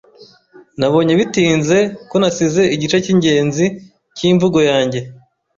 Nabonye bitinze ko nasize igice cyingenzi cyimvugo yanjye.